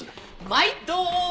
まいど！